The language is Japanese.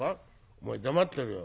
「お前黙ってろよ。